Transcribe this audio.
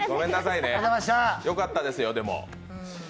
良かったですよ、でも。